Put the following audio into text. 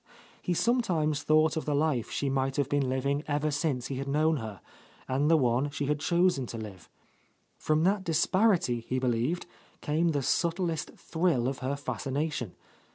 He sometimes thought of the life she might have been living ever since he had known her, — and the one she had chosen to live. From that dis parity, he believed, came the subtlest thrill of her fascination.